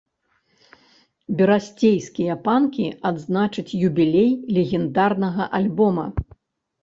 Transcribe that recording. Берасцейскія панкі адзначаць юбілей легендарнага альбома.